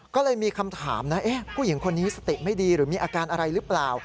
ก็เลยมีคำถามนะผู้หญิงคนนี้สติไม่ดีหรือมีอาการอะไรหรือเปล่า